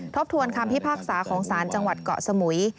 บทวนคำพิพากษาของศาลจังหวัดเกาะสมุย